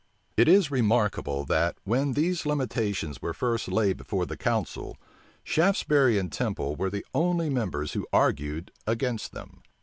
It is remarkable, that, when, these limitations were first laid before the council, Shaftesbury and Temple were the only members who argued against them.